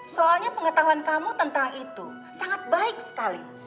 soalnya pengetahuan kamu tentang itu sangat baik sekali